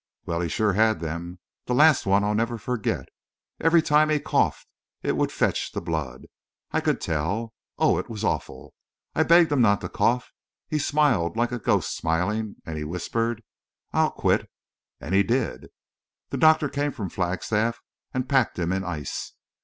"Well, he shore had them. The last one I'll never forget. Every time he'd cough it would fetch the blood. I could tell!... Oh, it was awful. I begged him not to cough. He smiled—like a ghost smiling—and he whispered, 'I'll quit.'... And he did. The doctor came from Flagstaff and packed him in ice.